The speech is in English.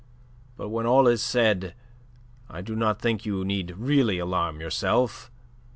But, when all is said, I do not think that you need really alarm yourself.